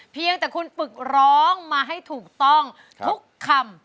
เพียงแต่คุณฝึกร้องมาให้ถูกต้องทุกคำ